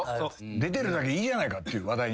出てるだけいいじゃないかっていう話題にね。